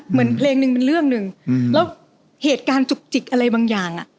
เหมือนเพลงหนึ่งมันเรื่องหนึ่งแล้วเหตุการณ์จุกจิกอะไรบางอย่างอ่ะ